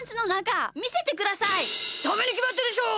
ダメにきまってるでしょ！